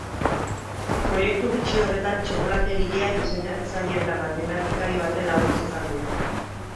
Proiektu bitxi horretan txokolategileak diseinatzaile eta matematikari baten laguntza izan du.